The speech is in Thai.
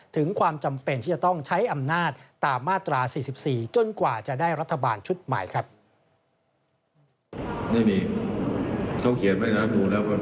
ถึงความจำเป็นที่จะต้องใช้อำนาจตามมาตรา๔๔จนกว่าจะได้รัฐบาลชุดใหม่ครับ